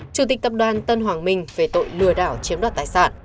chủ tịch tập đoàn tân hoàng minh về tội lừa đảo chiếm đoạt tài sản